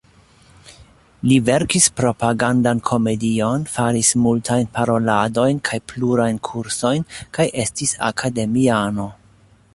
Li verkis propagandan komedion, faris multajn paroladojn kaj plurajn kursojn, kaj estis akademiano.